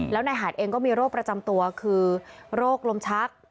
แล้วนายหาดเองก็มีโรคประจำตัวคือโรคลมชัก